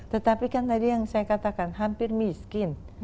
tetapi kan tadi yang saya katakan hampir miskin